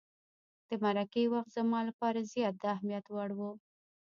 د مرکې وخت زما لپاره زیات د اهمیت وړ وو.